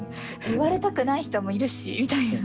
言われたくない人もいるしみたいな。